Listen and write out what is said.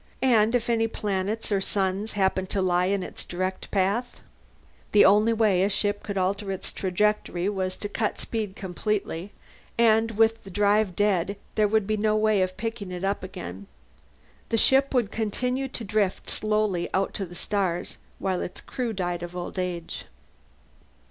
And if any planets or suns happened to lie in its direct path The only way a ship could alter its trajectory was to cut speed completely, and with the drive dead there would be no way of picking it up again. The ship would continue to drift slowly out to the stars, while its crew died of old age.